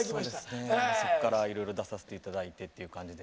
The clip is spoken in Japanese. そっからいろいろ出させていただいてっていう感じで。